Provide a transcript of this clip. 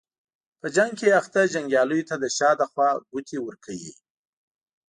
په جنګ کې اخته جنګیالیو ته د شا له خوا ګوتې ورکوي.